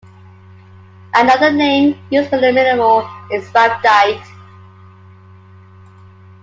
Another name used for the mineral is rhabdite.